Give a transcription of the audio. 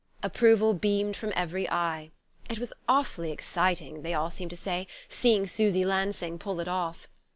Approval beamed from every eye: it was awfully exciting, they all seemed to say, seeing Susy Lansing pull it off!